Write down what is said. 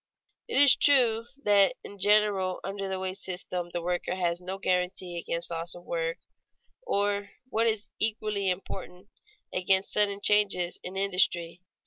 It is true that in general under the wage system the worker has no guarantee against loss of work or, what is equally important, against sudden changes in industry.